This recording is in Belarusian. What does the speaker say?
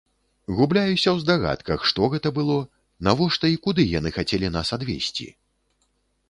Губляюся ў здагадках, што гэта было, навошта і куды яны хацелі нас адвезці.